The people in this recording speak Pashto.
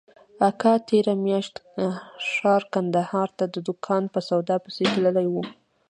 اکا تېره مياشت ښار کندهار ته د دوکان په سودا پسې تللى و.